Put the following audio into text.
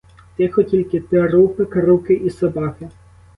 Тихо, тільки трупи, круки і собаки.